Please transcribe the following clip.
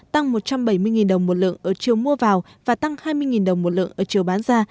tăng một trăm bảy mươi đồng một lượng ở chiều mua vào và tăng hai mươi đồng một lượng ở chiều bán ra